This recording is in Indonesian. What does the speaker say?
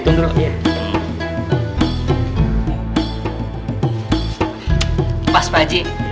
biar berkah pak haji